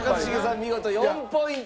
見事４ポイント獲得。